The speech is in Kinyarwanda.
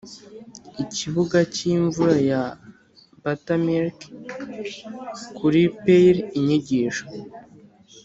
ikibuga cyimvura ya buttermilk kuri pail! inyigisho